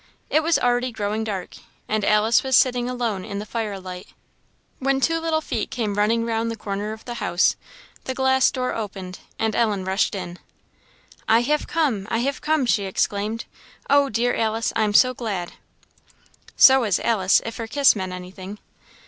It was already growing dark, and Alice was sitting alone in the firelight, when two little feet came running round the corner of the house; the glass door opened, and Ellen rushed in. "I have come! I have come!" she exclaimed. "Oh, dear Alice, I'm so glad!" So was Alice, if her kiss meant anything.